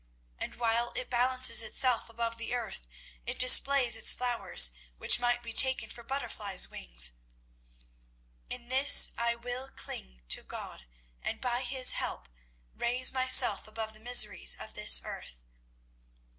And while it balances itself above the earth it displays its flowers, which might be taken for butterflies' wings. In this way I will cling to God and by His help raise myself above the miseries of this earth.